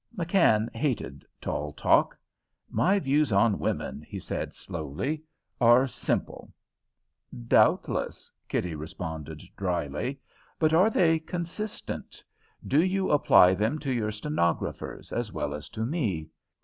McKann hated tall talk. "My views on women," he said slowly, "are simple." "Doubtless," Kitty responded dryly, "but are they consistent? Do you apply them to your stenographers as well as to me?